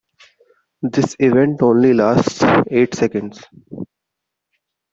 This event only lasts eight seconds.